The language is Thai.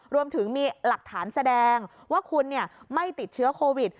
รวมถึงมีหลักฐานแสดงว่าคุณไม่ติดเชื้อโควิด